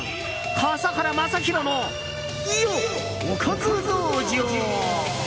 笠原将弘のおかず道場。